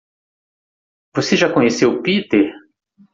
Você já conheceu Peter?